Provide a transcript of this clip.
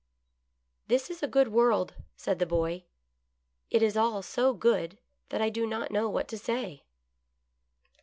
" This is a good world," said the boy ;" it is all so good that I do not know what to say."